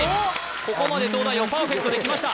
ここまで東大王パーフェクトできました